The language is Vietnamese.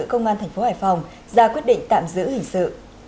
công an tp hải phòng ra quyết định tạm giữ hình sự